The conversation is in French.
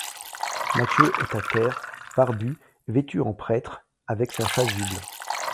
Matthieu est à terre, barbu, vêtu en prêtre, avec sa chasuble.